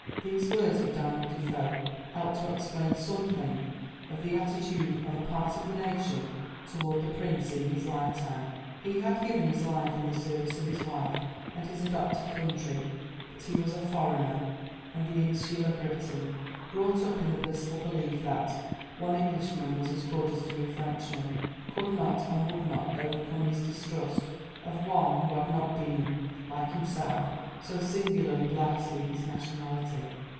These words of Daniel Defoe help to explain something of the attitude of a part of the nation toward the Prince in his lifetime. He had given his life in the service of his wife and his adopted country, but he was a 'foreigner,' and the insular Briton, brought up in the blissful belief that "one Englishman was as good as three Frenchmen," could not and would not overcome his distrust of one who had not been, like himself, so singularly blessed in his nationality.